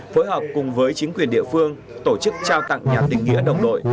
phối hợp cùng với chính quyền địa phương tổ chức trao tặng nhà tình nghĩa đồng đội